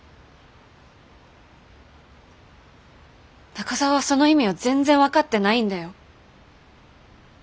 中澤はその意味を全然分かってないんだよ。